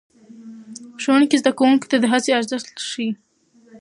ښوونکی زده کوونکو ته د هڅې ارزښت ښيي